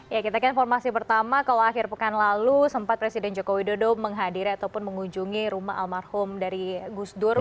ya kita ke informasi pertama kalau akhir pekan lalu sempat presiden joko widodo menghadiri ataupun mengunjungi rumah almarhum dari gus dur